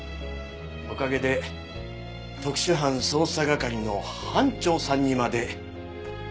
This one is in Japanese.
おかげで特殊犯捜査係の班長さんにまでなれたそうな。